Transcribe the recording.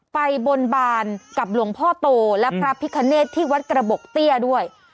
ไปบนบานกับหลวงพ่อโตและพระพิคเนตที่วัดกระบบเตี้ยด้วย